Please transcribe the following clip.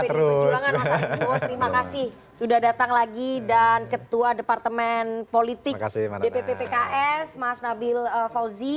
pdi perjuangan terima kasih sudah datang lagi dan ketua departemen politik dpp pks mas nabil fauzi